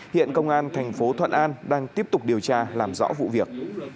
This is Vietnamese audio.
hiện công an thành phố thuận an đang tiếp tục điều tra làm rõ vụ việc